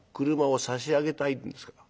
俥を差し上げたいんですけど」。